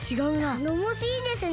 たのもしいですね。